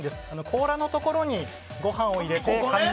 甲羅のところにご飯を入れてカニ